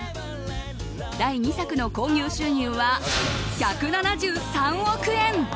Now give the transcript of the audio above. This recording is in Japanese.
第２作の興行収入は１７３億円。